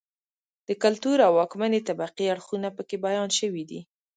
د کلتور او واکمنې طبقې اړخونه په کې بیان شوي دي.